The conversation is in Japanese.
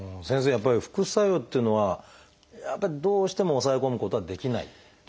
やっぱり副作用っていうのはやっぱりどうしても抑え込むことはできないってことですか？